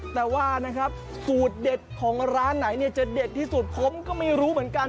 แต่ว่านะครับสูตรเด็ดของร้านไหนเนี่ยจะเด็ดที่สุดผมก็ไม่รู้เหมือนกัน